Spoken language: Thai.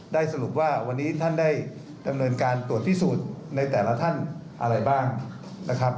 สรุปว่าวันนี้ท่านได้ดำเนินการตรวจพิสูจน์ในแต่ละท่านอะไรบ้างนะครับ